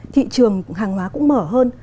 thị trường hàng hóa cũng mở hơn